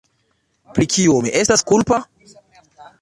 Pri kio mi estas kulpa?